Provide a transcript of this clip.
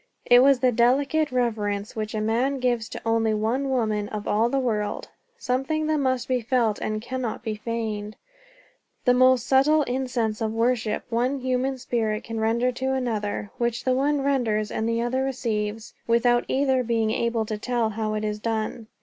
It was the delicate reverence which a man gives to only one woman of all the world; something that must be felt and cannot be feigned; the most subtle incense of worship one human spirit can render to another; which the one renders and the other receives, without either being able to tell how it is done.